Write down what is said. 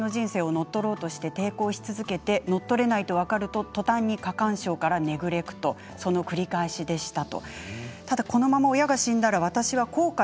親についてプラスの人生を乗っ取ろうとして抵抗し続けてのっとれないと分かるととたんに過干渉からネグレクトその繰り返しでした。